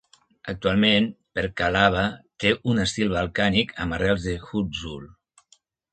Actualment, Perkalaba té un estil balcànic amb arrels de Hutzul.